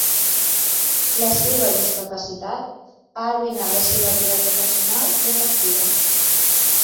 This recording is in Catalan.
La seva discapacitat ha arruïnat la seva vida professional i afectiva.